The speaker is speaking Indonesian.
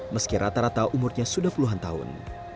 meski rata rata umurnya sudah puluhan tahun